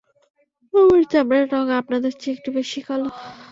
আমার চামড়ার রং আপনাদের চেয়ে একটু বেশিই কালো!